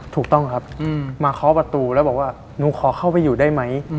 ถูกต้องครับมาเคาะประตูแล้วบอกว่าหนูขอเข้าไปอยู่ได้ไหม